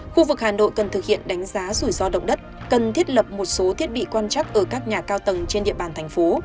khu vực hà nội cần thực hiện đánh giá rủi ro động đất cần thiết lập một số thiết bị quan trắc ở các nhà cao tầng trên địa bàn thành phố